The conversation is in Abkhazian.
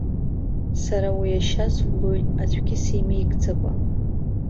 Сара уи ашьа зулоит аӡәгьы симеигӡакәа!